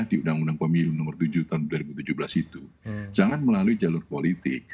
di undang undang pemilu nomor tujuh tahun dua ribu tujuh belas itu jangan melalui jalur politik